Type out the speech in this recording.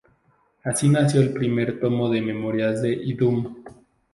Así nació el primer tomo de Memorias de Idhún.